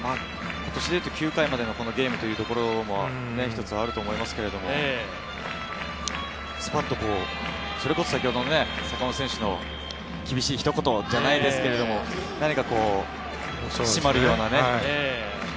今年でいうと、９回までのゲームというのも一つあると思いますけど、スパッと、先ほどの坂本選手の厳しいひと言じゃないですけど、締まるようなね。